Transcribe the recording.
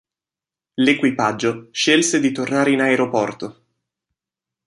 L'equipaggio scelse di tornare in aeroporto.